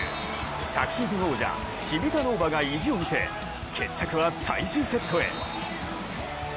昨シーズン王者チヴィタノーヴァが意地を見せ決着は最終セットへ。